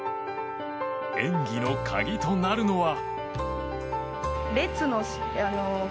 演技の鍵となるのは。